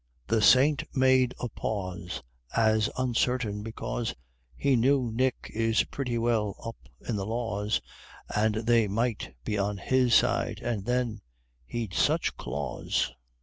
The Saint made a pause As uncertain, because He knew Nick is pretty well "up" in the laws, And they might be on his side and then, he'd such claws!